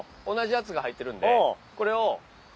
同じやつが入ってるんで。